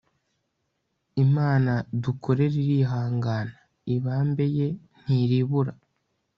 imana dukorera irihangana; ibambe ye ntiribura